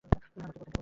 Hello, কে?